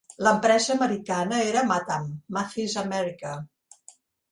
L'empresa americana era Matam, Mathis-America.